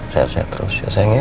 sehat sehat terus ya sayang ya